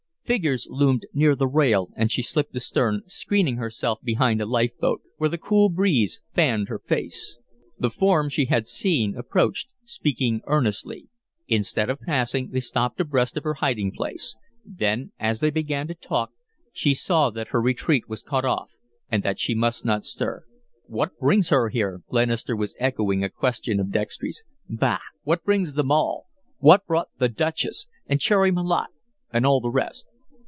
Figures loomed near the rail and she slipped astern, screening herself behind a life boat, where the cool breeze fanned her face. The forms she had seen approached, speaking earnestly. Instead of passing, they stopped abreast of her hiding place; then, as they began to talk, she saw that her retreat was cut off and that she must not stir. "What brings her here?" Glenister was echoing a question of Dextry's. "Bah! What brings them all? What brought 'the Duchess,' and Cherry Malotte, and all the rest?"